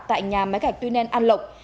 tại nhà máy gạch tuy nền an lộc